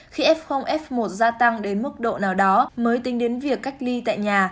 khi f f một gia tăng đến mức độ nào đó mới tính đến việc cách ly tại nhà